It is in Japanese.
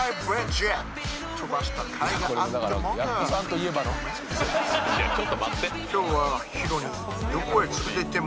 ちょっと待って。